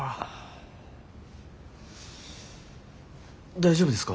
大丈夫ですか？